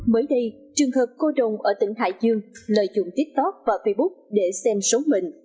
mới đây trường hợp cô đồng ở tỉnh hải dương lợi dụng tiktok và facebook để xem số mệnh